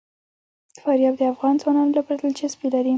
فاریاب د افغان ځوانانو لپاره دلچسپي لري.